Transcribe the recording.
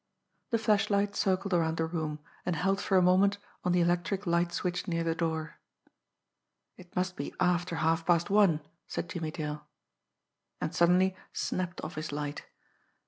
The flashlight circled around the room, and held for a moment on the electric light switch near the door. "It must be after halfpast one," said Jimmie Dale and suddenly snapped off his light.